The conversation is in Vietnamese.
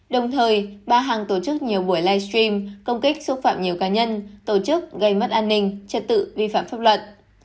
đồng thời bà hằng tổ chức nhiều buổi livestream công kích xúc phạm nhiều cá nhân tổ chức gây mất an ninh trật tự vi phạm pháp luật